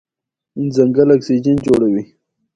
ځنګل اکسیجن جوړوي.